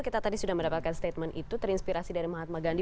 kita tadi sudah mendapatkan statement itu terinspirasi dari mahatma gandhi